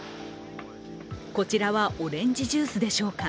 こちらはオレンジジュースでしょうか。